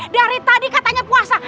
dari tadi katanya puasa